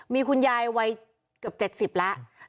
มีคุณยายวัยเกือบ๗๐แล้ว